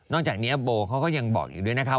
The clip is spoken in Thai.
นอกจากนี้โบ่เขาก็ยังบอกอยู่ด้วยนะคะ